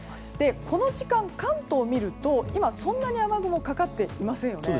この時間、関東を見ると今、そんなに雨雲かかっていませんよね。